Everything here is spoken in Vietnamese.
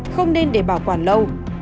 không nên để bảo quản lâu